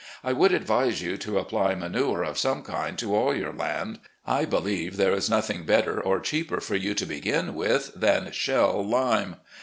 I would advise you to apply mantue of some kind to all your land. I believe there is nothing better or cheaper for you to begin with than shell lime.